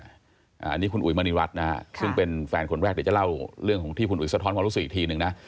อันนี้คุณอุ๋ยมณีรัฐนะฮะซึ่งเป็นแฟนคนแรกเดี๋ยวจะเล่าเรื่องของที่คุณอุ๋ยสะท้อนความรู้สึกอีกทีหนึ่งนะ